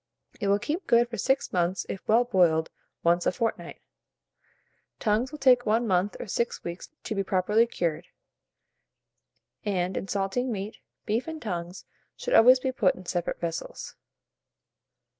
It will keep good for 6 months if well boiled once a fortnight. Tongues will take 1 month or 6 weeks to be properly cured; and, in salting meat, beef and tongues should always be put in separate vessels.